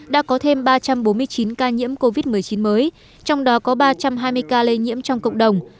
đã có thêm ba trăm bốn mươi chín ca nhiễm covid một mươi chín mới trong đó có ba trăm hai mươi ca lây nhiễm trong cộng đồng